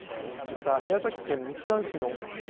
また、宮崎県日南市の危機